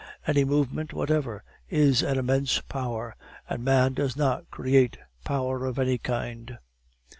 Any movement whatever is an immense power, and man does not create power of any kind.